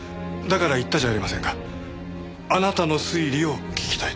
だから言ったじゃありませんかあなたの推理を聞きたいと。